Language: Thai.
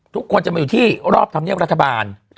ทุกคนจะมาอยู่ที่รอบธรรมเนียบรัฐบาล